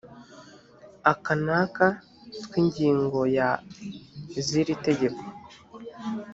aka n aka tw ingingo ya z iri tegeko